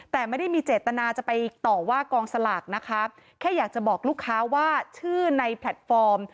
แต่ไม่ได้มีเจตนาจะไปต่อว่ากองสลากนะคะแค่อยากจะบอกลูกค้าว่าชื่อในแพลตฟอร์ม